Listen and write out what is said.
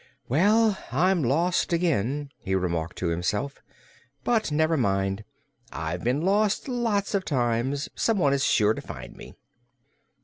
"Well, I'm lost again," he remarked to himself. "But never mind; I've been lost lots of times. Someone is sure to find me."